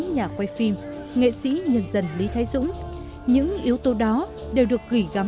nhầm lẫn là chuyện thường